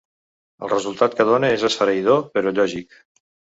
El resultat que dóna és esfereïdor, però lògic.